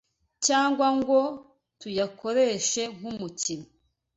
cyangwa ngo tuyakoreshe nk’umukino